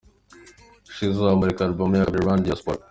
Shizzo amurika album ye ya kabiri 'Run Diaspora'.